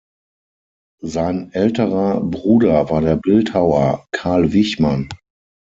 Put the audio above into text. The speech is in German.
Sein älterer Bruder war der Bildhauer Karl Wichmann.